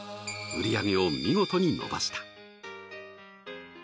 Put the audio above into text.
売り上げを見事に伸ばした。